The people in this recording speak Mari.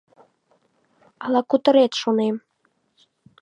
Ала кутырет, шонем.